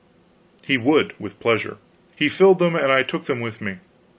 He would, with pleasure. He filled them, and I took them with me.